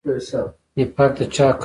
نفاق د چا کار دی؟